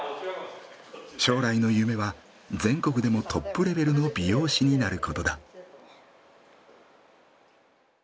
将来の夢は全国でもトップレベルの美容師になることだ。